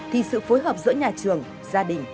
thì sự phối hợp giữa nhà trường gia đình